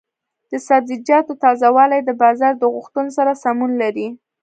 د سبزیجاتو تازه والي د بازار د غوښتنو سره سمون لري.